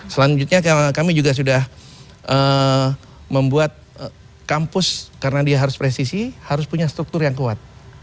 selanjutnya kami juga sudah membuat kampus karena dia harus presisi harus punya struktur yang kuat